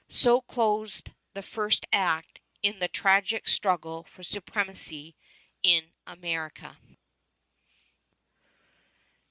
So closed the first act in the tragic struggle for supremacy in America.